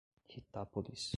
Ritápolis